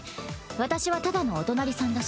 私はただのお隣さんだし。